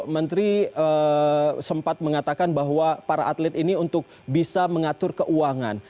menteri sempat mengatakan bahwa para atlet ini untuk bisa mengatur keuangan